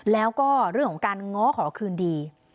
แล้วก็เรื่องของการง้อขอคืนดี